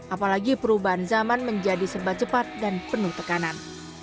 apalagi perubahan zaman menjadi serba cepat dan penuh tekanan